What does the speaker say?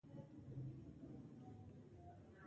د هغې پۀ وجه د انسان پۀ خپل ځان اعتماد کم شي